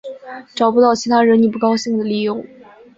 找不到其他惹你不高兴的理由